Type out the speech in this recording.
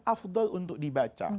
afdal untuk dibaca